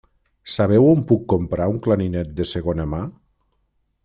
Sabeu on puc comprar un clarinet de segona mà?